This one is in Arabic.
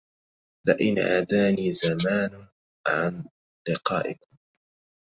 لئن عداني زمان عن لقائكم